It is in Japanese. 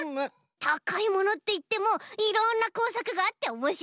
「たかいもの」っていってもいろんなこうさくがあっておもしろいねえ！